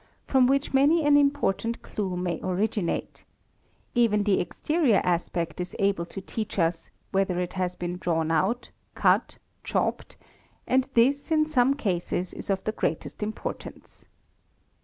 from which many an important clue may originate; even the exterior aspect is able to teach us whether ~ it has been drawn out, cut, chopped, and this in some cases is of the greatest importance.